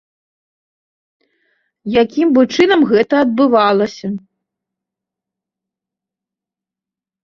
Якім бы чынам гэта адбывалася?